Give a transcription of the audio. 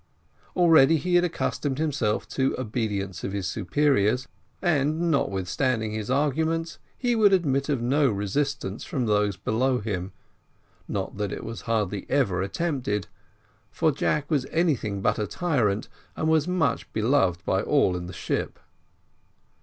Already he had accustomed himself to obedience to his superiors, and, notwithstanding his arguments, he would admit of no resistance from those below him; not that it was hardly ever attempted, for Jack was anything but a tyrant, and was much beloved by all in the ship.